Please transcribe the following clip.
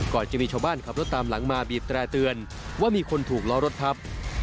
จะมีชาวบ้านขับรถตามหลังมาบีบแตร่เตือนว่ามีคนถูกล้อรถทับ